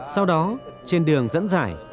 sau đó trên đường dẫn dải